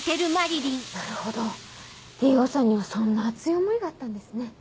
なるほどＴ・Ｏさんにはそんな熱い思いがあったんですね。